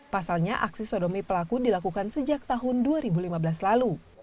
pasalnya aksi sodomi pelaku dilakukan sejak tahun dua ribu lima belas lalu